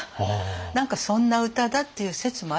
何かそんな歌だっていう説もあるんです。